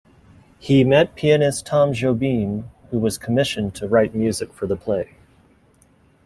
He met pianist Tom Jobim, who was commissioned to write music for the play.